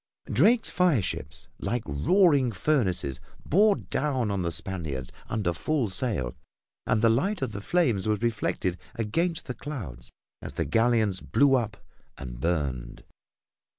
Drake's fire ships, like roaring furnaces, bore down on the Spaniards under full sail, and the light of the flames was reflected against the clouds as the galleons blew up and burned.